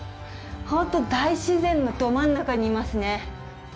ほんと大自然のど真ん中にいますね。